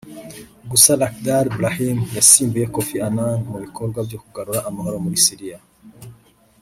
Gusa Lakhdar Brahimi wasimbuye Koffi Annan mu bikorwa byo kugarura amahoro muri Syria